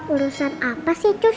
urusan apa sih cus